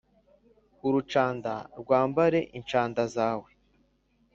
Urucanda rwambare incanda zawe